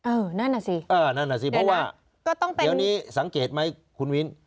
เออนั่นแหละสิเดี๋ยวหนักก็ต้องเป็นเพราะว่าเดี๋ยวนี้สังเกตไหมคุณวิน